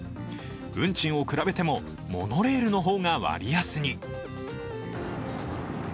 運賃を比べても、モノレールの方が割安に。